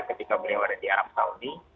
ketika beliau ada di arab saudi